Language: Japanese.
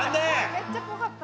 めっちゃっぽかった。